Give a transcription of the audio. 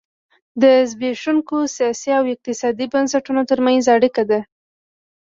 د زبېښونکو سیاسي او اقتصادي بنسټونو ترمنځ اړیکه ده.